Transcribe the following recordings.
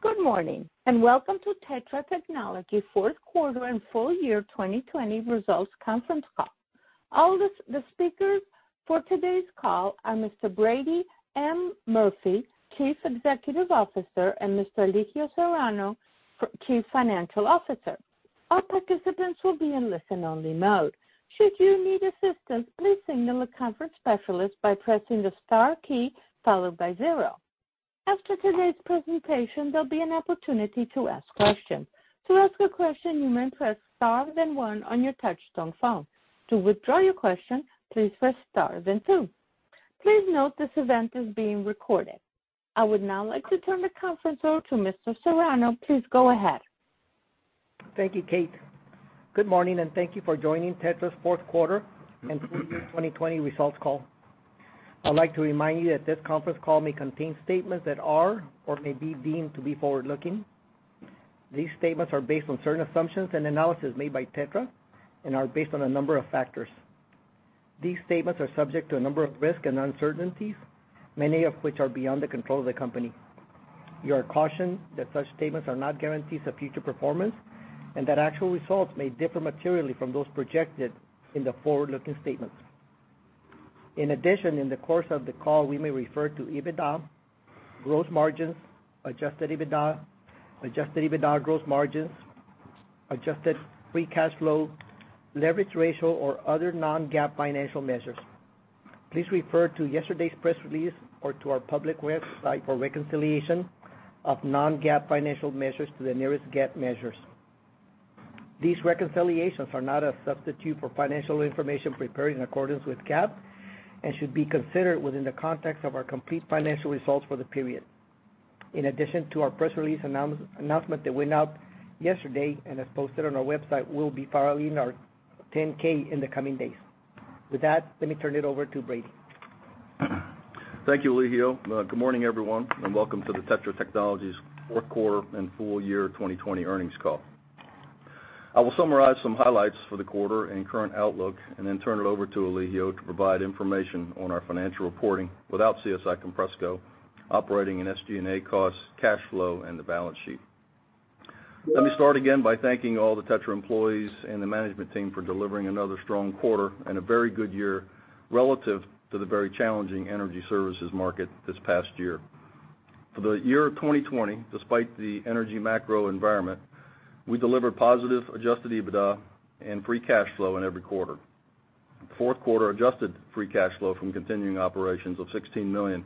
Good morning, and welcome to TETRA Technologies Fourth Quarter and Full Year 2020 Results Conference Call. All the speakers for today's call are Mr. Brady M. Murphy, Chief Executive Officer, and Mr. Elijio Serrano, Chief Financial Officer. All participants will be in listen-only mode. Should you need assistance, please signal a conference specialist by pressing the star key followed by zero. After today's presentation, there'll be an opportunity to ask questions. To ask a question, you may press star, then one on your touchtone phone. To withdraw your question, please press star, then two. Please note this event is being recorded. I would now like to turn the conference over to Mr. Serrano. Please go ahead. Thank you, Kate. Good morning, and thank you for joining TETRA's fourth quarter and full year 2020 results call. I'd like to remind you that this conference call may contain statements that are or may be deemed to be forward-looking. These statements are based on certain assumptions and analyses made by TETRA and are based on a number of factors. These statements are subject to a number of risks and uncertainties, many of which are beyond the control of the company. You are cautioned that such statements are not guarantees of future performance and that actual results may differ materially from those projected in the forward-looking statements. In addition, in the course of the call, we may refer to EBITDA, gross margins, adjusted EBITDA, adjusted EBITDA gross margins, adjusted free cash flow, leverage ratio or other non-GAAP financial measures. Please refer to yesterday's press release or to our public website for a reconciliation of non-GAAP financial measures to the nearest GAAP measures. These reconciliations are not a substitute for financial information prepared in accordance with GAAP and should be considered within the context of our complete financial results for the period. In addition to our press release announcement that went out yesterday and as posted on our website, we'll be filing our 10-K in the coming days. With that, let me turn it over to Brady. Thank you, Elijio. Good morning, everyone, and welcome to the TETRA Technologies fourth quarter and full year 2020 earnings call. I will summarize some highlights for the quarter and current outlook and then turn it over to Elijio to provide information on our financial reporting without CSI Compressco, operating and SG&A costs, cash flow, and the balance sheet. Let me start again by thanking all the TETRA employees and the management team for delivering another strong quarter and a very good year relative to the very challenging energy services market this past year. For the year 2020, despite the energy macro environment, we delivered positive adjusted EBITDA and free cash flow in every quarter. The fourth quarter adjusted free cash flow from continuing operations of $16 million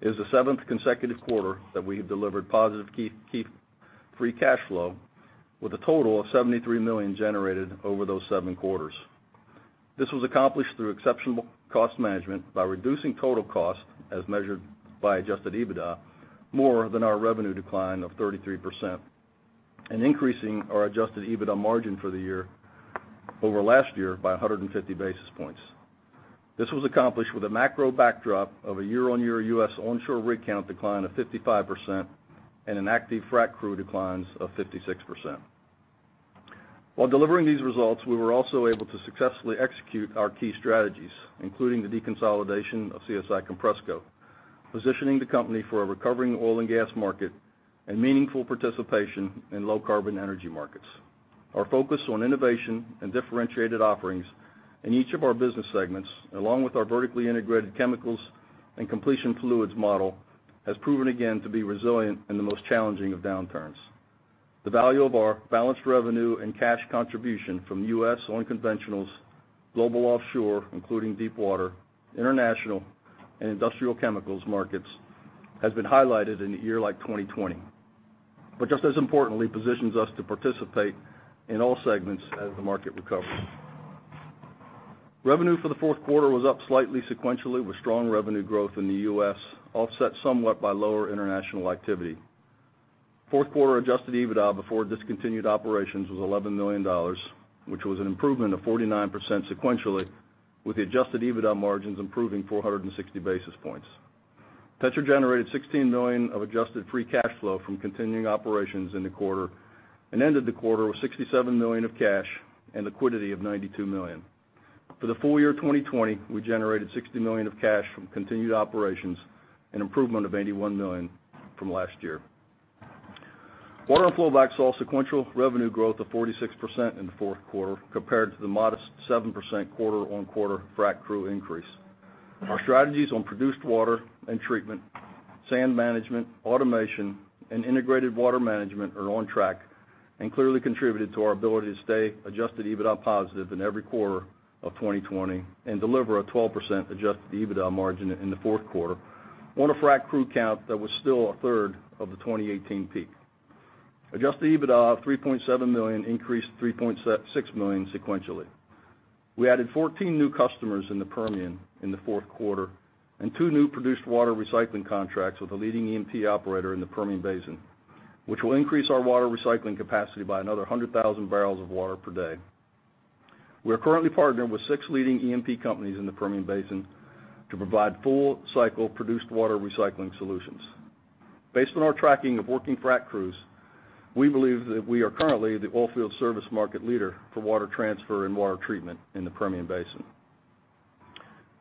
is the seventh consecutive quarter that we have delivered positive key free cash flow with a total of $73 million generated over those seven quarters. This was accomplished through exceptional cost management by reducing total cost as measured by adjusted EBITDA, more than our revenue decline of 33%, and increasing our adjusted EBITDA margin for the year over last year by 150 basis points. This was accomplished with a macro backdrop of a year-on-year U.S. onshore rig count decline of 55% and an active frac crew declines of 56%. While delivering these results, we were also able to successfully execute our key strategies, including the deconsolidation of CSI Compressco, positioning the company for a recovering oil and gas market and meaningful participation in low-carbon energy markets. Our focus on innovation and differentiated offerings in each of our business segments, along with our vertically integrated chemicals and Completion Fluids model, has proven again to be resilient in the most challenging of downturns. The value of our balanced revenue and cash contribution from U.S. oil and conventionals, global offshore, including deepwater, international, and industrial chemicals markets, has been highlighted in a year like 2020. Just as importantly, positions us to participate in all segments as the market recovers. Revenue for the fourth quarter was up slightly sequentially with strong revenue growth in the U.S., offset somewhat by lower international activity. Fourth quarter adjusted EBITDA before discontinued operations was $11 million, which was an improvement of 49% sequentially, with the adjusted EBITDA margins improving 460 basis points. TETRA generate $16 million of adjusted free cash flow from continuing operations in the quarter and ended the quarter with $67 million of cash and liquidity of $92 million. For the full year 2020, we generated $60 million of cash from continued operations, an improvement of $81 million from last year. Water & Flowback saw sequential revenue growth of 46% in the fourth quarter compared to the modest 7% quarter-on-quarter frac crew increase. Our strategies on produced water and treatment, sand management, automation, and integrated water management are on track and clearly contributed to our ability to stay adjusted EBITDA positive in every quarter of 2020 and deliver a 12% adjusted EBITDA margin in the fourth quarter on a frac crew count that was still a third of the 2018 peak. Adjusted EBITDA of $3.7 million increased to $3.6 million sequentially. We added 14 new customers in the Permian in the fourth quarter and two new produced water recycling contracts with a leading E&P operator in the Permian Basin, which will increase our water recycling capacity by another 100,000 bpd. We are currently partnered with six leading E&P companies in the Permian Basin to provide full-cycle produced water recycling solutions. Based on our tracking of working frac crews, we believe that we are currently the oilfield service market leader for water transfer and water treatment in the Permian Basin.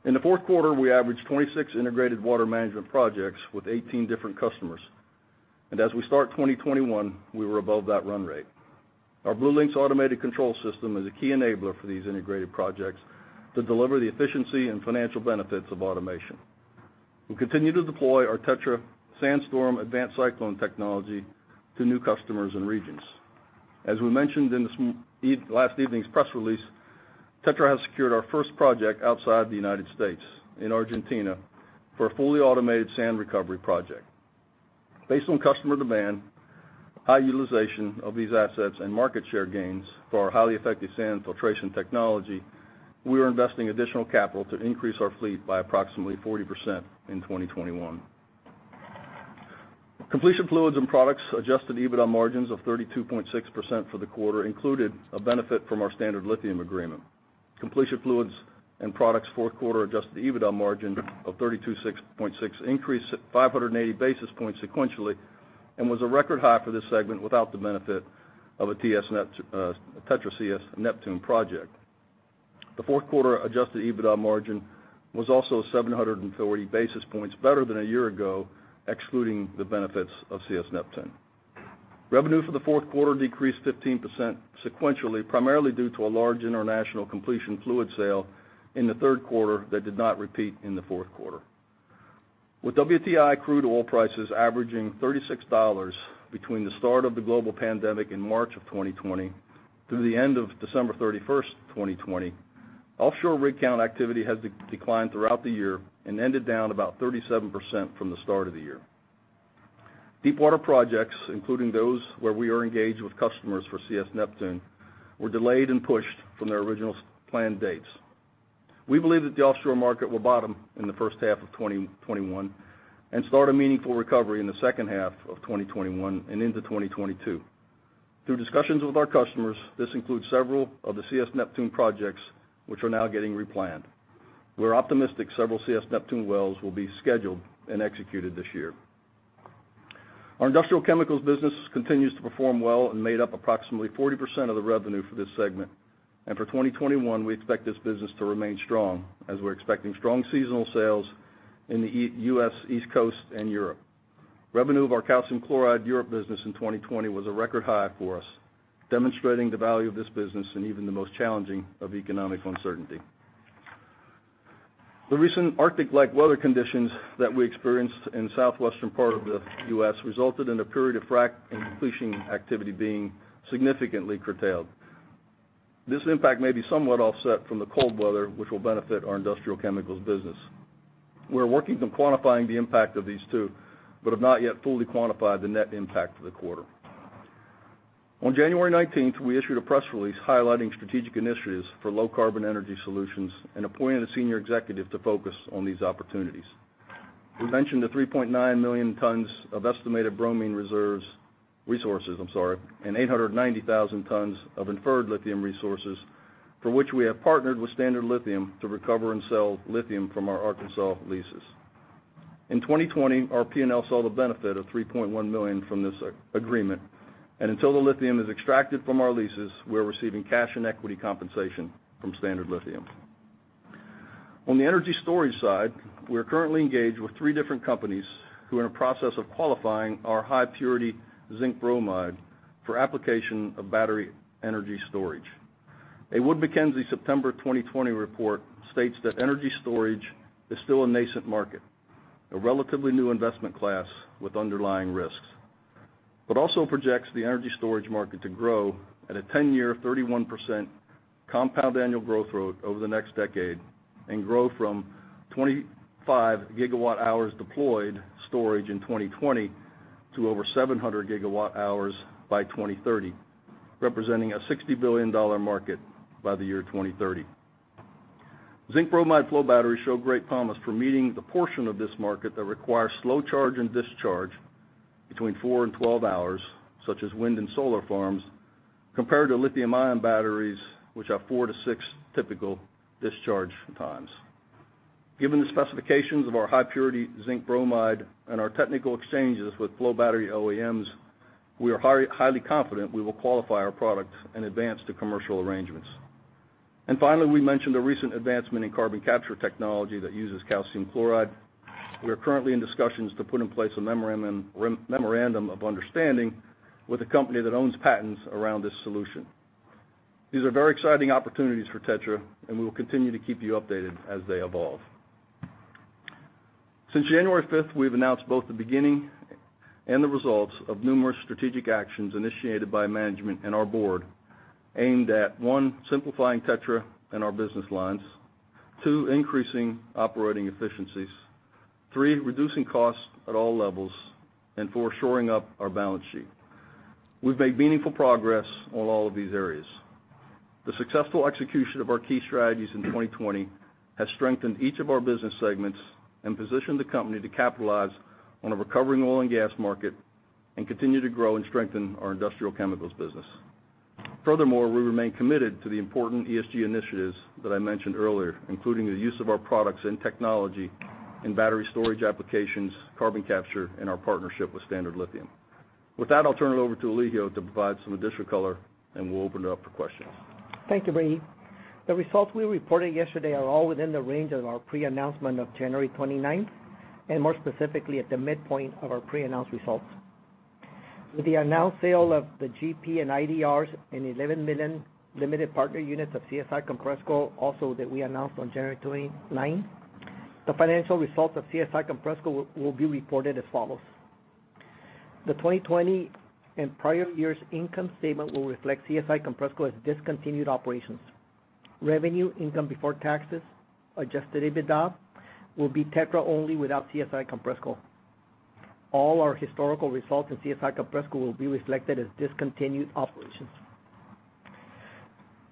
In the fourth quarter, we averaged 26 integrated water management projects with 18 different customers. As we start 2021, we were above that run rate. Our BlueLinx automated control system is a key enabler for these integrated projects to deliver the efficiency and financial benefits of automation. We continue to deploy our TETRA SandStorm advanced cyclone technology to new customers and regions. As we mentioned in last evening's press release, TETRA has secured our first project outside the United States. in Argentina for a fully automated sand recovery project. Based on customer demand, high utilization of these assets, and market share gains for our highly effective sand filtration technology, we are investing additional capital to increase our fleet by approximately 40% in 2021. Completion Fluids & Products' adjusted EBITDA margins of 32.6% for the quarter included a benefit from our Standard Lithium agreement. Completion Fluids & Products' fourth quarter adjusted EBITDA margin of 32.6% increased 580 basis points sequentially and was a record high for this segment without the benefit of a TETRA CS Neptune project. The fourth quarter adjusted EBITDA margin was also 740 basis points better than a year ago, excluding the benefits of CS Neptune. Revenue for the fourth quarter decreased 15% sequentially, primarily due to a large international completion fluid sale in the third quarter that did not repeat in the fourth quarter. With WTI crude oil prices averaging $36 between the start of the global pandemic in March of 2020 through the end of December 31st, 2020, offshore rig count activity has declined throughout the year and ended down about 37% from the start of the year. Deepwater projects, including those where we are engaged with customers for CS Neptune, were delayed and pushed from their original planned dates. We believe that the offshore market will bottom in the first half of 2021 and start a meaningful recovery in the second half of 2021 and into 2022. Through discussions with our customers, these include several of the CS Neptune projects, which are now getting replanned. We're optimistic several CS Neptune wells will be scheduled and executed this year. Our Industrial Chemicals business continues to perform well and made up approximately 40% of the revenue for this segment. For 2021, we expect this business to remain strong as we're expecting strong seasonal sales in the U.S. East Coast and Europe. Revenue of our Calcium Chloride Europe business in 2020 was a record high for us, demonstrating the value of this business in even the most challenging of economic uncertainty. The recent Arctic-like weather conditions that we experienced in the southwestern part of the U.S. resulted in a period of frac and completion activity being significantly curtailed. This impact may be somewhat offset from the cold weather, which will benefit our Industrial Chemicals business. We are working on quantifying the impact of these two, but we have not yet fully quantified the net impact for the quarter. On January 19th, we issued a press release highlighting strategic initiatives for low-carbon energy solutions and appointed a senior executive to focus on these opportunities. We mentioned the 3.9 million tons of estimated bromine reserves, resources, I'm sorry, and 890,000 tons of inferred lithium resources, for which we have partnered with Standard Lithium to recover and sell lithium from our Arkansas leases. In 2020, our P&L saw the benefit of $3.1 million from this agreement. Until the lithium is extracted from our leases, we are receiving cash and equity compensation from Standard Lithium. On the energy storage side, we are currently engaged with three different companies who are in the process of qualifying our high-purity zinc bromide for application of battery energy storage. A Wood Mackenzie September 2020 report states that energy storage is still a nascent market, a relatively new investment class with underlying risks. Also projects the energy storage market to grow at a 10-year, 31% compound annual growth rate over the next decade and grow from 25 GWh deployed storage in 2020 to over 700 GWh by 2030, representing a $60 billion market by the year 2030. Zinc bromide flow batteries show great promise for meeting the portion of this market that requires slow charge and discharge between four and 12 hours, such as wind and solar farms, compared to lithium-ion batteries, which have four to six typical discharge times. Given the specifications of our high-purity zinc bromide and our technical exchanges with flow battery OEMs, we are highly confident we will qualify our product and advance to commercial arrangements. Finally, we mentioned a recent advancement in carbon capture technology that uses calcium chloride. We are currently in discussions to put in place a memorandum of understanding with a company that owns patents around this solution. These are very exciting opportunities for TETRA, and we will continue to keep you updated as they evolve. Since January 5th, we've announced both the beginning and the results of numerous strategic actions initiated by management and our board aimed at, one, simplifying TETRA and our business lines. Two, increasing operating efficiencies. Three, reducing costs at all levels. Four, shoring up our balance sheet. We've made meaningful progress on all of these areas. The successful execution of our key strategies in 2020 has strengthened each of our business segments and positioned the company to capitalize on a recovering oil and gas market and continue to grow and strengthen our Industrial Chemicals business. Furthermore, we remain committed to the important ESG initiatives that I mentioned earlier, including the use of our products and technology in battery storage applications, carbon capture, and our partnership with Standard Lithium. With that, I'll turn it over to Elijio to provide some additional color, and we'll open it up for questions. Thank you, Brady. The results we reported yesterday are all within the range of our pre-announcement of January 29th, and more specifically, at the midpoint of our pre-announced results. With the announced sale of the GP and IDRs and 11 million limited partner units of CSI Compressco, also that we announced on January 29th. The financial results of CSI Compressco will be reported as follows. The 2020 and prior years' income statement will reflect CSI Compressco as discontinued operations. Revenue, income before taxes, adjusted EBITDA, will be TETRA-only without CSI Compressco. All our historical results in CSI Compressco will be reflected as discontinued operations.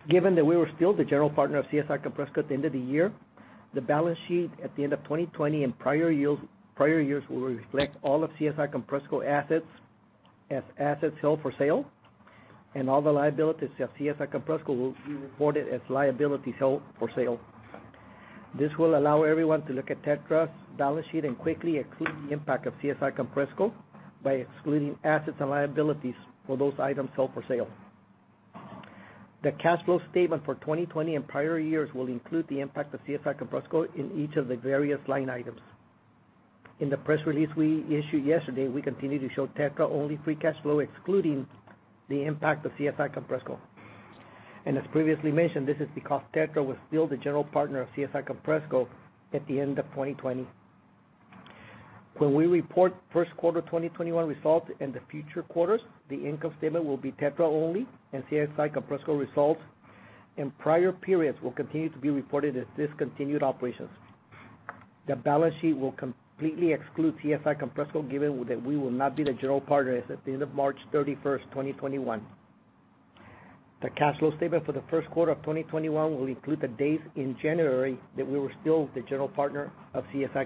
Given that we were still the general partner of CSI Compressco at the end of the year, the balance sheet at the end of 2020 and prior years will reflect all of CSI Compressco assets as assets held for sale, and all the liabilities of CSI Compressco will be reported as liabilities held for sale. This will allow everyone to look at TETRA's balance sheet and quickly exclude the impact of CSI Compressco by excluding assets and liabilities for those items held for sale. The cash flow statement for 2020 and prior years will include the impact of CSI Compressco in each of the various line items. In the press release we issued yesterday, we continue to show TETRA-only free cash flow excluding the impact of CSI Compressco. As previously mentioned, this is because TETRA was still the general partner of CSI Compressco at the end of 2020. When we report first quarter 2021 results in the future quarters, the income statement will be TETRA-only and CSI Compressco results in prior periods will continue to be reported as discontinued operations. The balance sheet will completely exclude CSI Compressco given that we will not be the general partners at the end of March 31st, 2021. The cash flow statement for the first quarter of 2021 will include the days in January that we were still the general partner of CSI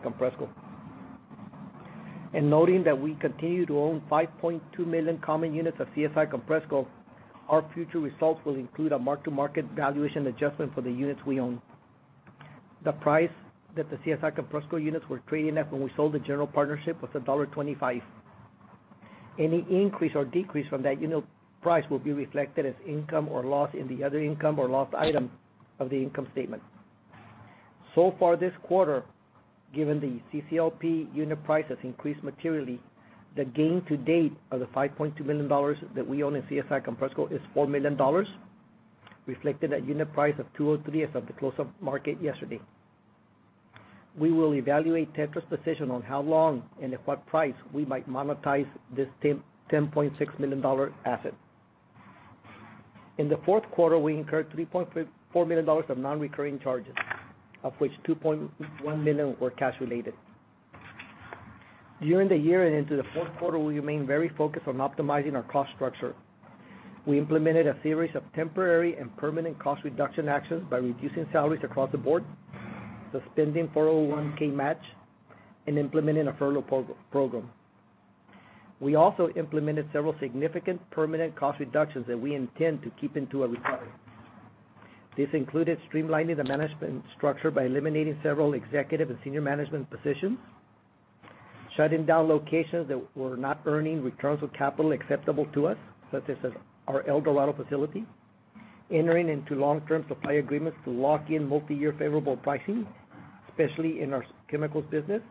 Compressco. Noting that we continue to own 5.2 million common units of CSI Compressco, our future results will include a mark-to-market valuation adjustment for the units we own. The price that the CSI Compressco units were trading at when we sold the general partnership was $1.25. Any increase or decrease from that unit price will be reflected as income or loss in the other income or loss item of the income statement. So far this quarter, given the CCLP unit price has increased materially, the gain to date of the $5.2 million that we own in CSI Compressco is $4 million, reflected at unit price of $2.03 as of the close of market yesterday. We will evaluate TETRA's position on how long and at what price we might monetize this $10.6 million asset. In the fourth quarter, we incurred $3.4 million of non-recurring charges, of which $2.1 million were cash related. During the year and into the fourth quarter, we remain very focused on optimizing our cost structure. We implemented a series of temporary and permanent cost reduction actions by reducing salaries across the board, suspending 401(k) match, and implementing a furlough program. We also implemented several significant permanent cost reductions that we intend to keep into a recovery. This included streamlining the management structure by eliminating several executive and senior management positions, shutting down locations that were not earning returns of capital acceptable to us, such as our El Dorado facility, entering into long-term supply agreements to lock in multi-year favorable pricing, especially in our chemicals business,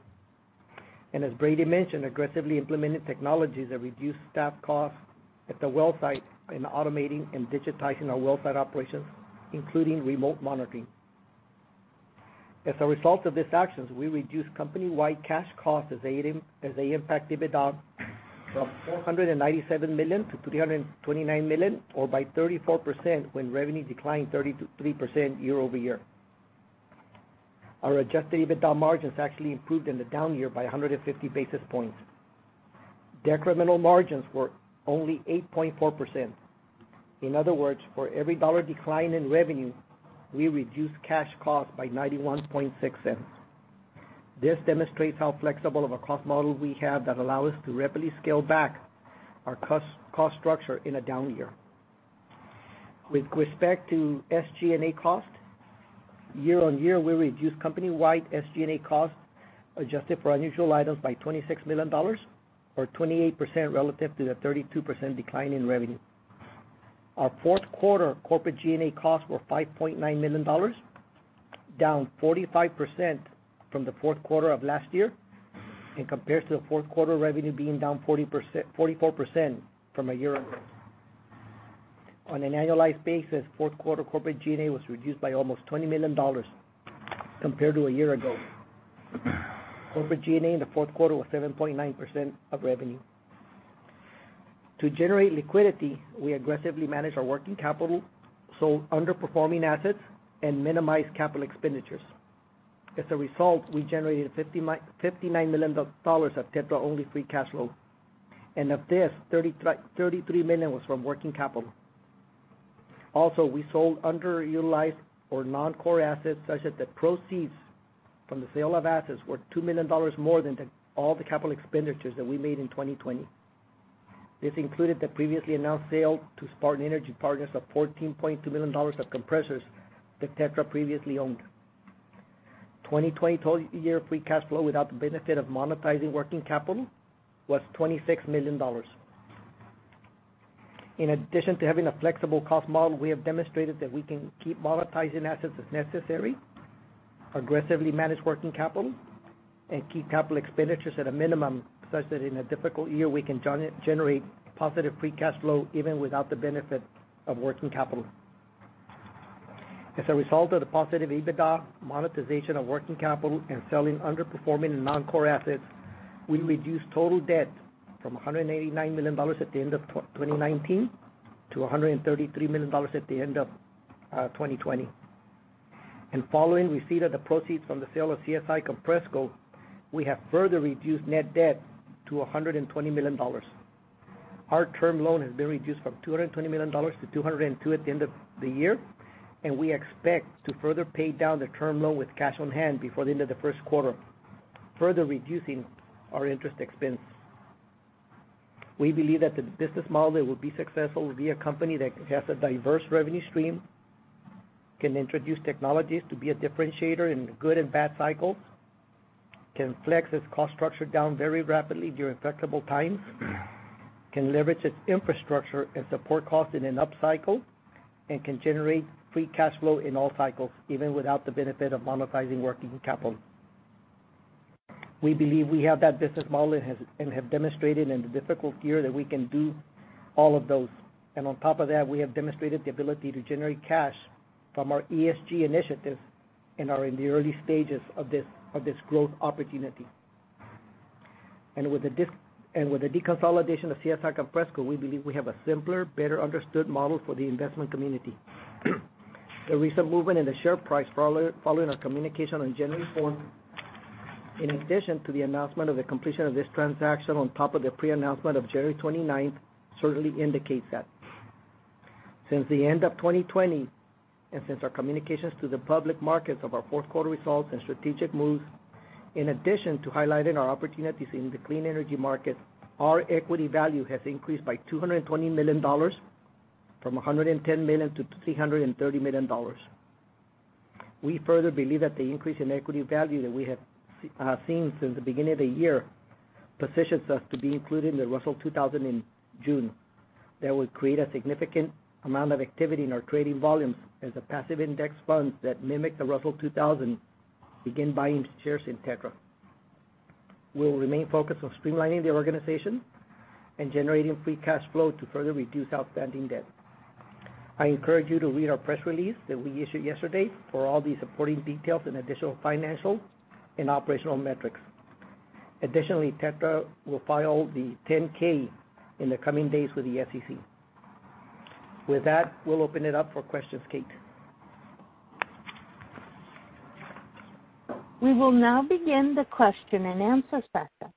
and as Brady mentioned, aggressively implemented technologies that reduce staff costs at the well site and automating and digitizing our well site operations, including remote monitoring. As a result of these actions, we reduced company-wide cash costs as they impact EBITDA from $497 million to $329 million, or by 34% when revenue declined 33% year-over-year. Our adjusted EBITDA margins actually improved in the down year by 150 basis points. Decremental margins were only 8.4%. In other words, for every $1 decline in revenue, we reduced cash cost by $0.916. This demonstrates how flexible of a cost model we have that allow us to rapidly scale back our cost structure in a down year. With respect to SG&A cost, year-over-year, we reduced company-wide SG&A cost, adjusted for unusual items, by $26 million, or 28% relative to the 32% decline in revenue. Our fourth quarter corporate G&A costs were $5.9 million, down 45% from the fourth quarter of last year and compared to the fourth quarter revenue being down 44% from a year ago. On an annualized basis, fourth quarter corporate G&A was reduced by almost $20 million compared to a year ago. Corporate G&A in the fourth quarter was 7.9% of revenue. To generate liquidity, we aggressively managed our working capital, sold underperforming assets, and minimized capital expenditures. We generated $59 million of TETRA-only free cash flow. Of this, $33 million was from working capital. We sold underutilized or non-core assets such that the proceeds from the sale of assets were $2 million more than all the capital expenditures that we made in 2020. This included the previously announced sale to Spartan Energy Partners of $14.2 million of compressors that TETRA previously owned. 2020 total year free cash flow without the benefit of monetizing working capital was $26 million. In addition to having a flexible cost model, we have demonstrated that we can keep monetizing assets as necessary, aggressively manage working capital, and keep capital expenditures at a minimum such that in a difficult year, we can generate positive free cash flow even without the benefit of working capital. As a result of the positive EBITDA monetization of working capital and selling underperforming and non-core assets, we reduced total debt from $189 million at the end of 2019 to $133 million at the end of 2020. Following receipt of the proceeds from the sale of CSI Compressco, we have further reduced net debt to $120 million. Our term loan has been reduced from $220 million to $202 million at the end of the year, and we expect to further pay down the term loan with cash on hand before the end of the first quarter, further reducing our interest expense. We believe that the business model that will be successful will be a company that has a diverse revenue stream, can introduce technologies to be a differentiator in good and bad cycles, can flex its cost structure down very rapidly during flexible times, can leverage its infrastructure and support costs in an upcycle, and can generate free cash flow in all cycles, even without the benefit of monetizing working capital. We believe we have that business model and have demonstrated in the difficult year that we can do all of those. On top of that, we have demonstrated the ability to generate cash from our ESG initiatives and are in the early stages of this growth opportunity. With the deconsolidation of CSI Compressco, we believe we have a simpler, better understood model for the investment community. The recent movement in the share price following our communication on January 4th, in addition to the announcement of the completion of this transaction on top of the pre-announcement of January 29th, certainly indicates that. Since the end of 2020, and since our communications to the public markets of our fourth quarter results and strategic moves, in addition to highlighting our opportunities in the clean energy market, our equity value has increased by $220 million from $110 million to $330 million. We further believe that the increase in equity value that we have seen since the beginning of the year positions us to be included in the Russell 2000 in June. That would create a significant amount of activity in our trading volumes as the passive index funds that mimic the Russell 2000 begin buying shares in TETRA. We'll remain focused on streamlining the organization and generating free cash flow to further reduce outstanding debt. I encourage you to read our press release that we issued yesterday for all the supporting details and additional financial and operational metrics. Additionally, TETRA will file the 10-K in the coming days with the SEC. With that, we'll open it up for questions. Kate? We will now begin the question and answer session.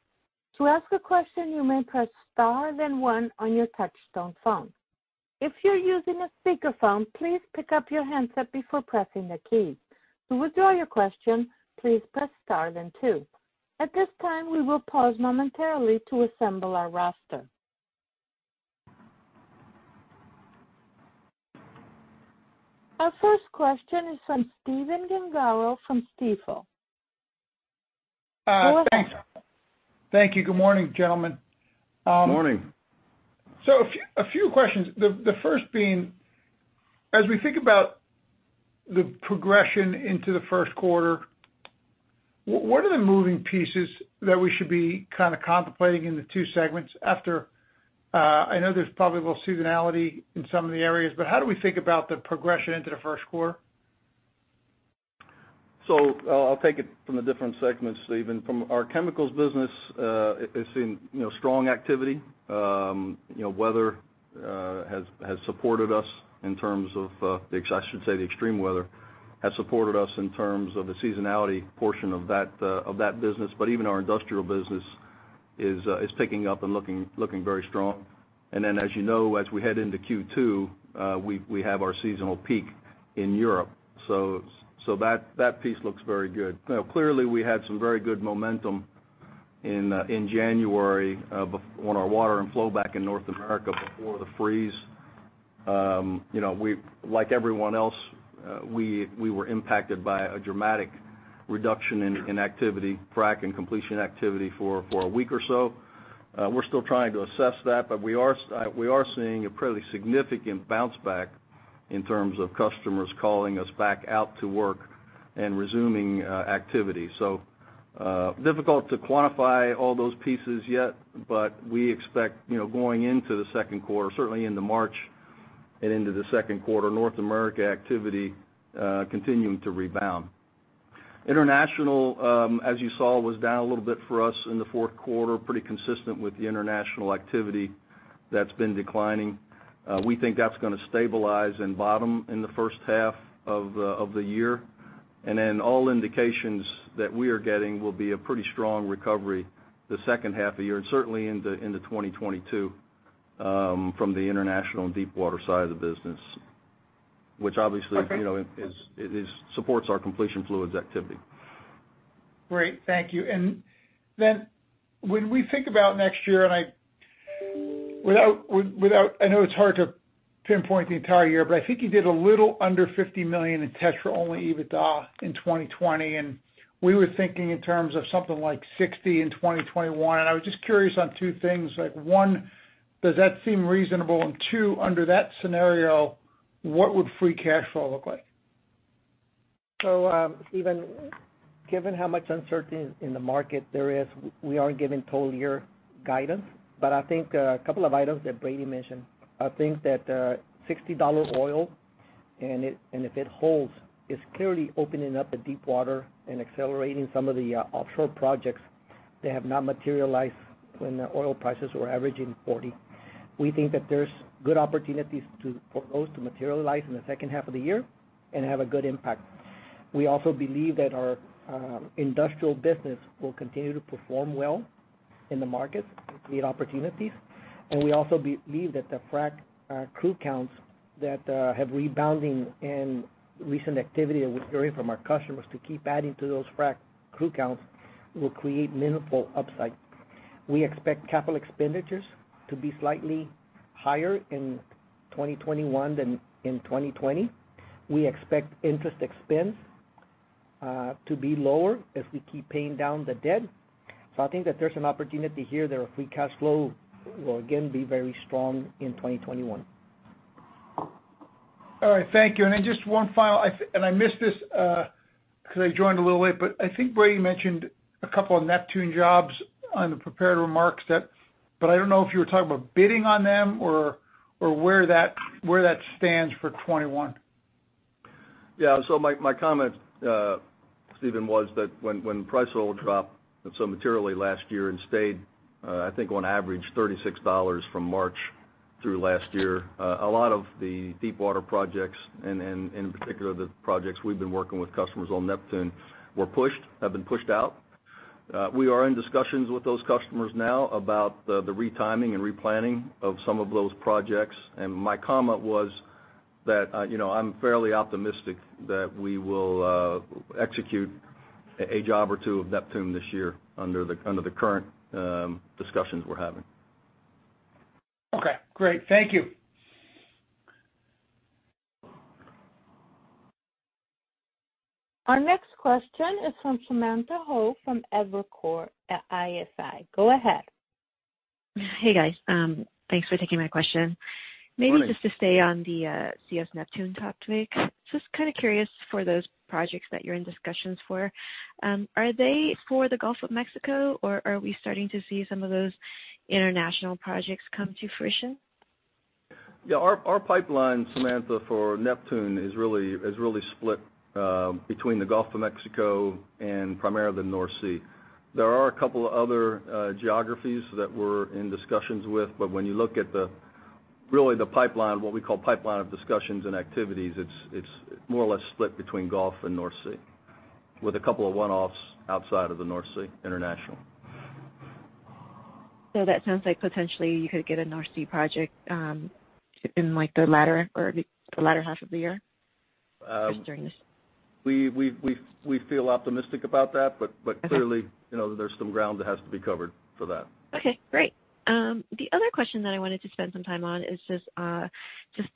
To ask a question, you may press star then one on your touchtone phone. If you're using a speakerphone, please pick up your handset before pressing the key. To withdraw your question, please press star then two. At this time, we will pause momentarily to assemble our roster. Our first question is from Stephen Gengaro from Stifel. Thanks. Thank you. Good morning, gentlemen. Morning. A few questions. The first being, as we think about the progression into the first quarter, what are the moving pieces that we should be kind of contemplating in the two segments after I know there's probably a little seasonality in some of the areas, but how do we think about the progression into the first quarter? I'll take it from the different segments, Stephen. From our Chemicals business, it's been strong activity. Weather has supported us in terms of the, I should say extreme weather has supported us in terms of the seasonality portion of that business. Even our Industrial business is ticking up and looking very strong. As you know, as we head into Q2, we have our seasonal peak in Europe. That piece looks very good. Clearly, we had some very good momentum in January on our Water & Flowback in North America before the freeze. Like everyone else, we were impacted by a dramatic reduction in activity, frac and completion activity for a week or so. We're still trying to assess that, but we are seeing a pretty significant bounce back in terms of customers calling us back out to work and resuming activity. Difficult to quantify all those pieces yet, but we expect, going into the second quarter, certainly into March and into the second quarter, North America activity continuing to rebound. International, as you saw, was down a little bit for us in the fourth quarter, pretty consistent with the international activity that's been declining. We think that's going to stabilize and bottom in the first half of the year. All indications that we are getting will be a pretty strong recovery the second half of year and certainly into 2022 from the international and deepwater side of the business. Okay Which obviously —it is supports our Completion Fluids activity. Great. Thank you. Then when we think about next year, I know it's hard to pinpoint the entire year, but I think you did a little under $50 million in TETRA-only EBITDA in 2020, and we were thinking in terms of something like $60 million in 2021. I was just curious on two things. One, does that seem reasonable? Two, under that scenario, what would free cash flow look like? Stephen, given how much uncertainty in the market there is, we aren't giving total year guidance. I think a couple of items that Brady mentioned. I think that $60 oil, and if it holds, is clearly opening up the deep water and accelerating some of the offshore projects that have not materialized when the oil prices were averaging $40. We think that there's good opportunities for those to materialize in the second half of the year and have a good impact. We also believe that our industrial business will continue to perform well in the market and create opportunities. We also believe that the frac crew counts that have rebounding in recent activity that we're hearing from our customers to keep adding to those frac crew counts will create meaningful upside. We expect capital expenditures to be slightly higher in 2021 than in 2020. We expect interest expense to be lower as we keep paying down the debt. I think that there's an opportunity here that our free cash flow will again be very strong in 2021. All right, thank you. I missed this because I joined a little late, but I think Brady mentioned a couple of Neptune jobs on the prepared remarks, but I don't know if you were talking about bidding on them or where that stands for 2021. Yeah. My comment, Stephen, was that when the price of oil dropped so materially last year and stayed, I think, on average, $36 from March through last year. A lot of the deep water projects, and in particular, the projects we've been working with customers on Neptune, have been pushed out. We are in discussions with those customers now about the retiming and replanning of some of those projects. My comment was that I'm fairly optimistic that we will execute a job or two of Neptune this year under the current discussions we're having. Okay, great. Thank you. Our next question is from Samantha Hoh from Evercore at ISI. Go ahead. Hey, guys. Thanks for taking my question. Hi. Maybe just to stay on the CS Neptune topic. Just kind of curious for those projects that you're in discussions for, are they for the Gulf of Mexico or are we starting to see some of those international projects come to fruition? Yeah. Our pipeline, Samantha, for Neptune is really split between the Gulf of Mexico and primarily the North Sea. There are a couple of other geographies that we're in discussions with, but when you look at really the pipeline, what we call pipeline of discussions and activities, it's more or less split between Gulf and North Sea, with a couple of one-offs outside of the North Sea, international. That sounds like potentially you could get a North Sea project in the latter half of the year during this? We feel optimistic about that. Okay. Clearly there's some ground that has to be covered for that. Okay, great. The other question that I wanted to spend some time on is just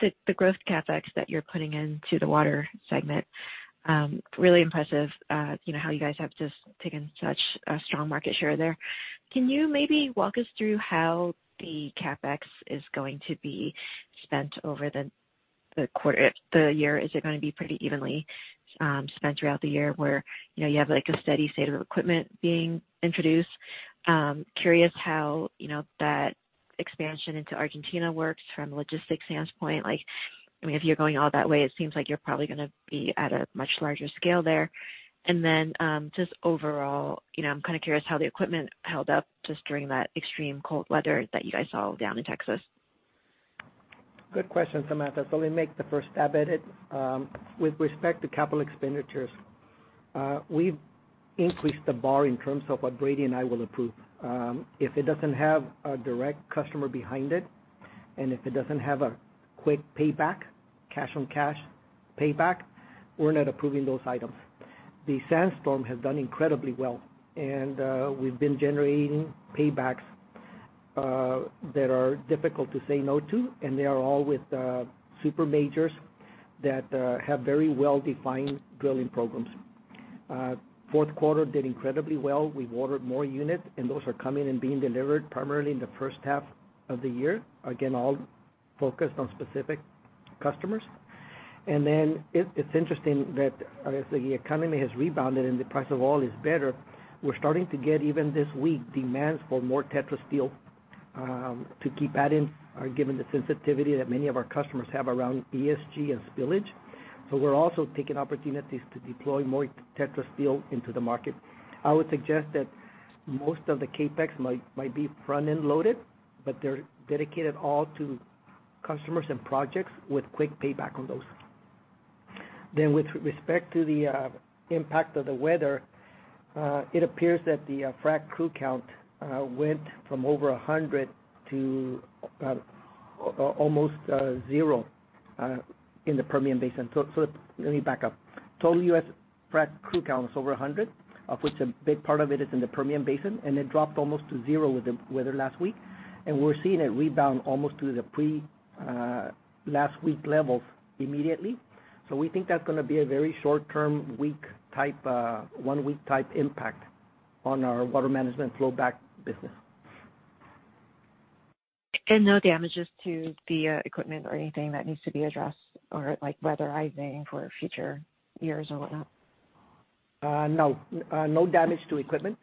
the growth CapEx that you're putting into the water segment. Really impressive how you guys have just taken such a strong market share there. Can you maybe walk us through how the CapEx is going to be spent over the year? Is it going to be pretty evenly spent throughout the year where you have a steady state of equipment being introduced? Curious how that expansion into Argentina works from a logistics standpoint. If you're going all that way, it seems like you're probably going to be at a much larger scale there. Then just overall, I'm kind of curious how the equipment held up just during that extreme cold weather that you guys saw down in Texas. Good question, Samantha. Let me make the first stab at it. With respect to capital expenditures, we've increased the bar in terms of what Brady and I will approve. If it doesn't have a direct customer behind it, and if it doesn't have a quick payback, cash-on-cash payback, we're not approving those items. The SandStorm has done incredibly well, and we've been generating paybacks that are difficult to say no to, and they are all with super majors that have very well-defined drilling programs. Fourth quarter did incredibly well. We ordered more units, and those are coming and being delivered primarily in the first half of the year. Again, all focused on specific customers. It's interesting that as the economy has rebounded and the price of oil is better, we're starting to get, even this week, demands for more TETRA Steel to keep adding, given the sensitivity that many of our customers have around ESG and spillage. We're also taking opportunities to deploy more TETRA Steel into the market. I would suggest that most of the CapEx might be front-end loaded, but they're dedicated all to customers and projects with quick payback on those. With respect to the impact of the weather, it appears that the frac crew count went from over 100 to almost zero in the Permian Basin. Let me back up. Total U.S. frac crew count was over 100, of which a big part of it is in the Permian Basin, and it dropped almost to zero with the weather last week. We're seeing it rebound almost to the pre-last week levels immediately. We think that's going to be a very short-term, one-week type impact on our water management flow back business. No damages to the equipment or anything that needs to be addressed, or weatherizing for future years or whatnot? No. No damage to equipment.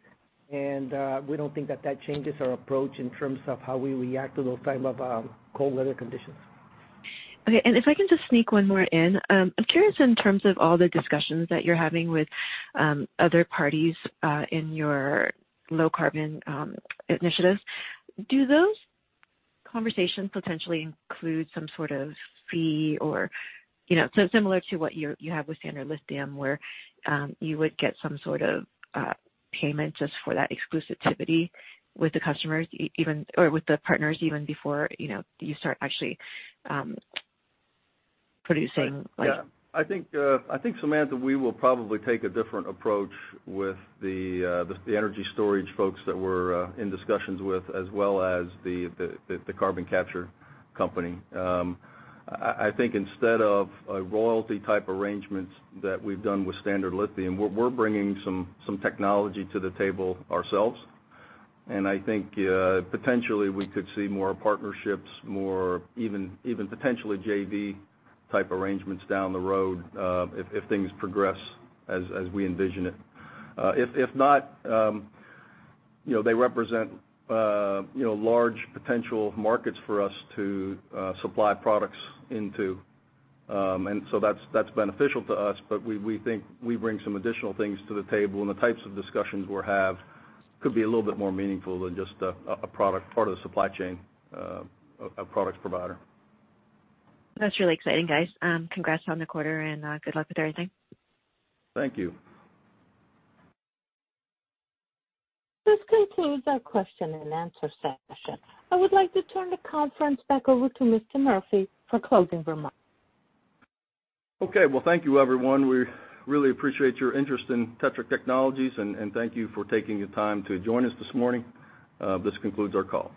We don't think that that changes our approach in terms of how we react to those type of cold weather conditions. Okay. If I can just sneak one more in. I'm curious in terms of all the discussions that you're having with other parties in your low carbon initiatives, do those conversations potentially include some sort of fee, similar to what you have with Standard Lithium, where you would get some sort of payment just for that exclusivity with the partners, even before you start actually producing? Yeah. I think, Samantha, we will probably take a different approach with the energy storage folks that we're in discussions with, as well as the carbon capture company. I think instead of a royalty type arrangement that we've done with Standard Lithium, we're bringing some technology to the table ourselves. I think potentially we could see more partnerships, even potentially JV type arrangements down the road, if things progress as we envision it. If not, they represent large potential markets for us to supply products into. That's beneficial to us, but we think we bring some additional things to the table, and the types of discussions we'll have could be a little bit more meaningful than just a part of the supply chain, a products provider. That's really exciting, guys. Congrats on the quarter, and good luck with everything. Thank you. This concludes our question and answer session. I would like to turn the conference back over to Mr. Murphy for closing remarks. Okay. Well, thank you everyone. We really appreciate your interest in TETRA Technologies. Thank you for taking the time to join us this morning. This concludes our call.